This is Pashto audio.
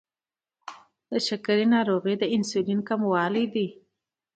شکره ناروغي د انسولین کموالي ده.